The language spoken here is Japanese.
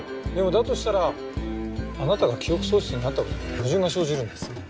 でもだとしたらあなたが記憶喪失になった事に矛盾が生じるんです。